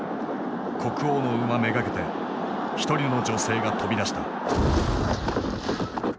国王の馬目がけて１人の女性が飛び出した。